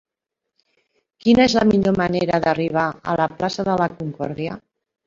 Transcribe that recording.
Quina és la millor manera d'arribar a la plaça de la Concòrdia?